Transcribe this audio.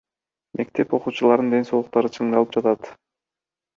Мектеп окуучуларынын ден соолуктары чыңдалып жатат.